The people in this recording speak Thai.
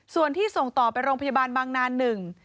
ส่วนที่ส่งต่อไปโรงพยาบาลบางนานหนึ่ง